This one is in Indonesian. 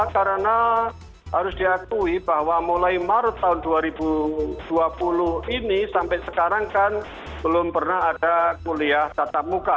karena harus diakui bahwa mulai maret tahun dua ribu dua puluh ini sampai sekarang kan belum pernah ada kuliah tatap muka